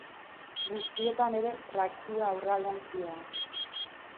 Guztietan ere, trakzioa aurrealdean zihoan.